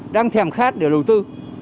đang thèm khát để đầu tư